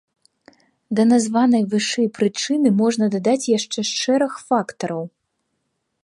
Да названай вышэй прычыны можна дадаць яшчэ шэраг фактараў.